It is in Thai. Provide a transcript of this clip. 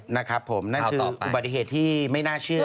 นะครับผมนั่นคืออุบัติเหตุที่ไม่น่าเชื่อ